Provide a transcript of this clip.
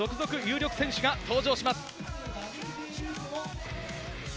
続々と有力選手が登場します。